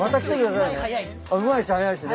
うまいし早いしね。